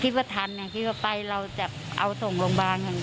ก็คิดว่าทันเนี้ยคิดว่าไปเราจะเอาส่งโรงพยาบาล